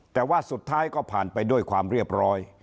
แต่ว่าสุดท้ายก็ผ่านไปด้วยความเรียบร้อย